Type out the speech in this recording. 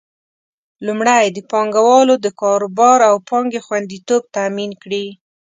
لومړی: د پانګوالو د کاروبار او پانګې خوندیتوب تامین کړي.